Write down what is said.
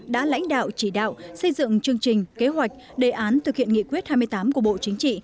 đã lãnh đạo chỉ đạo xây dựng chương trình kế hoạch đề án thực hiện nghị quyết hai mươi tám của bộ chính trị